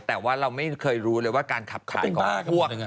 แต่ว่าเราไม่เคยรู้เลยว่าการขับขายของพวก